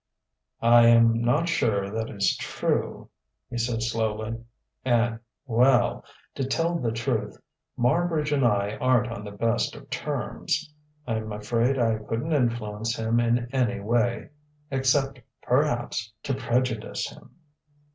"I am not sure that is true," he said slowly, "and well, to tell the truth, Marbridge and I aren't on the best of terms. I'm afraid I couldn't influence him in any way except, perhaps, to prejudice him."